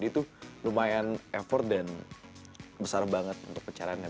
itu lumayan effort dan besar banget untuk pecahannya